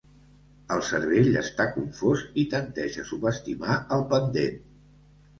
El cervell està confós i tendeix a subestimar el pendent.